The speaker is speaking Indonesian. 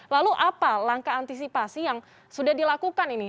lalu apa langkah antisipasi yang sudah dilakukan ini